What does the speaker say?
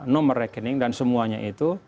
nomor rekening dan semuanya itu